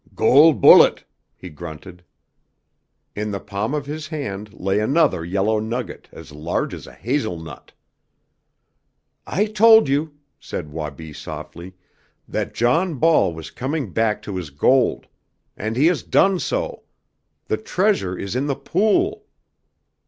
"Gol' bullet!" he grunted. In the palm of his hand lay another yellow nugget, as large as a hazelnut! "I told you," said Wabi softly, "that John Ball was coming back to his gold. And he has done so! The treasure is in the pool!"